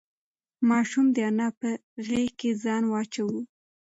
ماشوم د انا په غېږ کې ځان واچاوه.